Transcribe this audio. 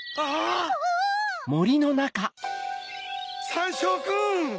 サンショウくん！